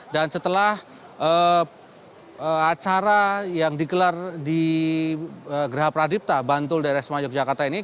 dan setelah acara yang dikelar di gerha pradipta bantul daresma yogyakarta ini